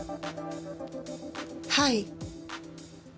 はい。